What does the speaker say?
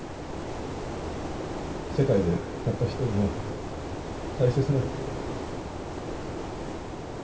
世界でたった１人の大切な。